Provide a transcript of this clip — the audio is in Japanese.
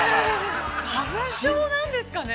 ◆花粉症なんですかね。